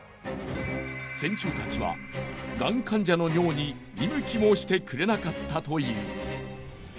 線虫たちはがん患者の尿に見向きもしてくれなかったという。